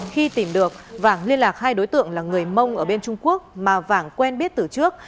khi tìm được vàng liên lạc hai đối tượng là người mông ở bên trung quốc mà vàng quen biết từ trước